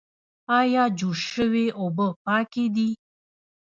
ایا جوش شوې اوبه پاکې دي؟